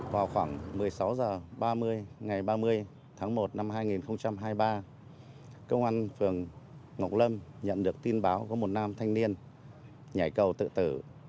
vào khoảng một mươi sáu h ba mươi ngày ba mươi tháng một năm hai nghìn hai mươi ba công an phường ngọc lâm nhận được tin báo có một nam thanh niên nhảy cầu tự tử